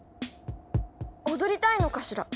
踊りたいのかしら？